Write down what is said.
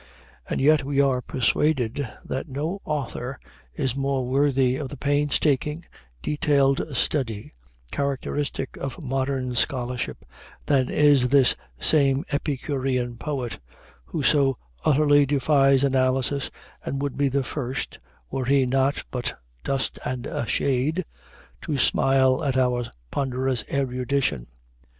And yet we are persuaded that no author is more worthy of the painstaking, detailed study characteristic of modern scholarship than is this same Epicurean poet, who so utterly defies analysis and would be the first, were he not but "dust and a shade," to smile at our ponderous erudition.